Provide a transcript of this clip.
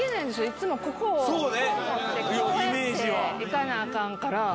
いつもここをここを持ってこうやっていかなアカンから。